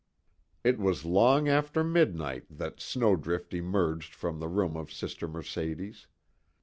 It was long after midnight that Snowdrift emerged from the room of Sister Mercedes.